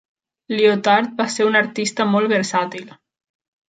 Liotard va ser un artista molt versàtil.